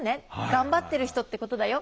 頑張ってる人ってことだよ」